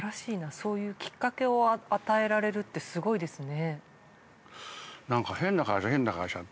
そういうきっかけを与えられるってすごいですね。